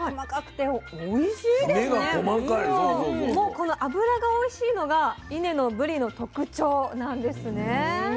この脂がおいしいのが伊根のぶりの特徴なんですね。